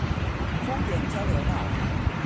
豐原交流道